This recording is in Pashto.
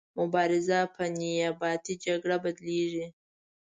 مبارزه په نیابتي جګړه بدلیږي.